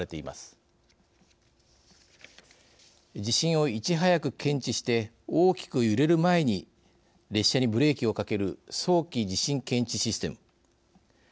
地震をいち早く検知して大きく揺れる前に列車にブレーキをかける早期地震検知システム。